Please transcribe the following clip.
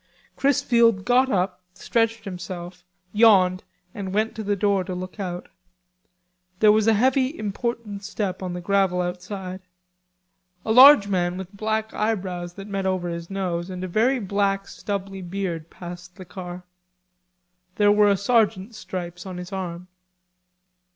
Chrisfield got up, stretched himself, yawned, and went to the door to look out. There was a heavy important step on the gravel outside. A large man with black eyebrows that met over his nose and a very black stubbly beard passed the car. There were a sergeants stripes on his arm.